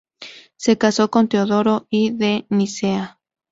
Se casó con Teodoro I de Nicea.